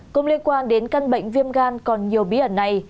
cũng liên quan đến căn bệnh viêm gan còn nhiều bí ẩn này